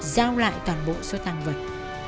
giao lại toàn bộ số tăng vật